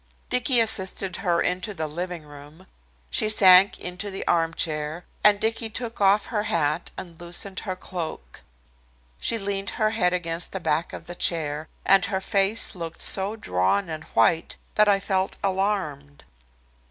Dicky assisted her into the living room. She sank into the armchair, and Dicky took off her hat and loosened her cloak. She leaned her head against the back of the chair, and her face looked so drawn and white that I felt alarmed.